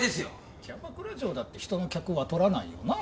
キャバクラ嬢だって人の客は取らないよなあ。